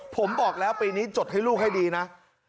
ผมบอกแล้วปีนี้จดให้ลูกให้ดีนะ